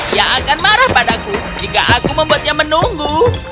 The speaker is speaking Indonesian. dia akan marah padaku jika aku membuatnya menunggu